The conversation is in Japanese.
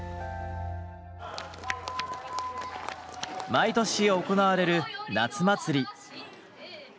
毎年行われる夏祭り。